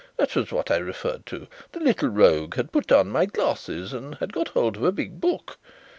That was what I referred to. The little rogue had put on my glasses and had got hold of a big book.